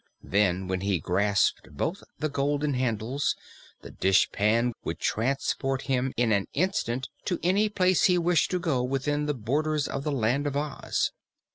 Then, when he grasped both the golden handles, the dishpan would transport him in an instant to any place he wished to go within the borders of the Land of Oz.